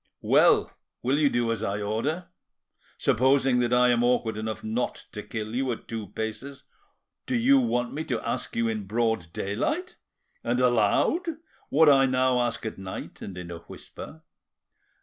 Well, will you do as I order? Supposing that I am awkward enough not to kill you at two paces, do you want me to ask you in broad daylight and aloud what I now ask at night and in a whisper?